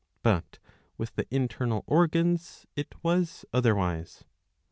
But with the internal organs it was otherwise.